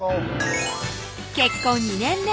結婚２年目